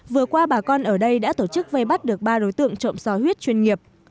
vừa qua bà con ở đây đã tổ chức vây bắt được ba đối tượng trộm so huyết chuyên nghiệp